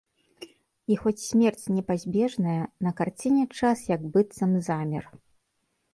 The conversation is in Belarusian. І хоць смерць непазбежная, на карціне час як быццам замер.